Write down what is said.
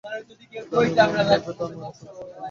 ডানে মোড় নে, ব্যাটা নারকীয় সামুদ্রিক দানব!